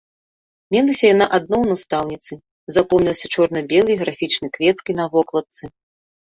Мелася яна адно ў настаўніцы, запомнілася чорна-белай графічнай кветкай на вокладцы.